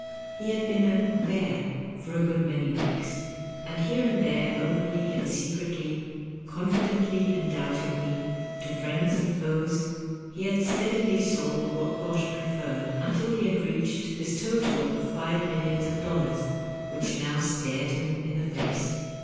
He had been a "bear" for a good many weeks, and here and there, openly and secretly, confidently and doubtingly, to friends and foes, he had steadily sold Whatbosh Pre ferred, until he had reached this total of five millions of dollars, which now stared him in the face.